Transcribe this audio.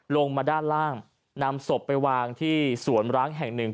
ลงมาด้านล่างนำศพไปวางที่สวนร้างแห่งหนึ่ง